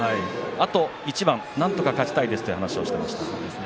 あと一番、なんとか勝ちたいですという話をしていました。